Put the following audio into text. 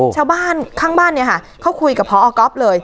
ชาวบ้านข้างบ้านเนี่ยค่ะเขาคุยกับพอก๊อฟเลย